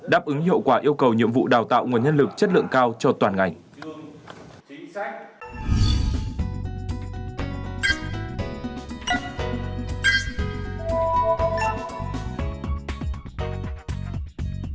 đáp ứng hiệu quả yêu cầu nhiệm vụ đào tạo nguồn nhân lực chất lượng cao cho toàn ngành